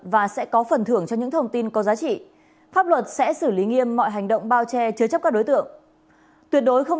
và sẽ là những thông tin về truy nã tội phạm